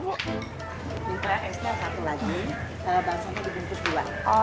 buka esnya satu lagi bahasanya dibungkus dua